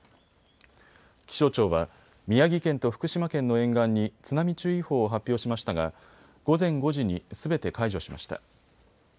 気象庁は宮城県と福島県の沿岸に津波注意報を発表しましたが午前５時にすべて解除しました。